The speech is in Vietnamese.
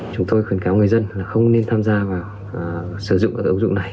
chúng tôi khuyến cáo người dân là không nên tham gia vào sử dụng các ứng dụng này